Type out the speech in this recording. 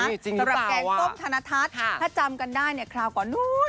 สำหรับแกงส้มธนทัศน์ถ้าจำกันได้เนี่ยคราวก่อนนู้น